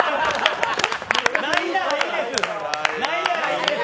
ないならいいんです！